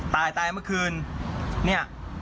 ตายตายเมื่อคืนเนี่ย